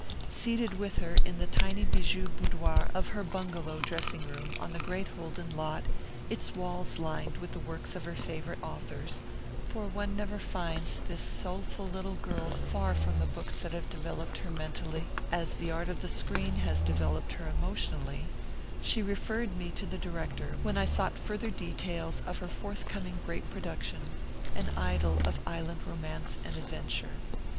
Seated with her in the tiny bijou boudoir of her bungalow dressing room on the great Holden lot, its walls lined with the works of her favourite authors for one never finds this soulful little girl far from the books that have developed her mentally as the art of the screen has developed her emotionally she had referred me to the director when I sought further details of her forthcoming great production, an idyl of island romance and adventure.